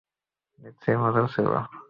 নিশ্চয়ই মজার ছিল?